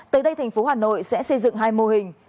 tới đây thành phố hà nội sẽ xây dựng hai mô hình